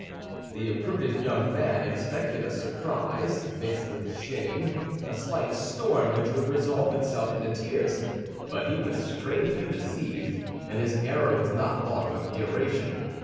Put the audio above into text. The imprudent young man expected a surprise, mixed with shame—a slight storm which would resolve itself into tears; but he was strangely deceived, and his error was not of long duration.